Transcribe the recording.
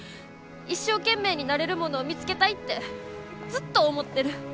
一生懸命になれるものを見つけたいってずっと思ってる。